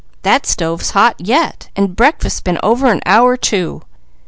That stove's hot yet! And breakfast been over an hour too!